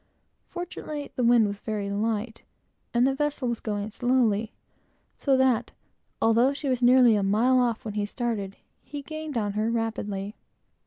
Fortunately, the wind was very light and the vessel was going slowly, so that, although she was nearly a mile off when he started, he gained on her rapidly.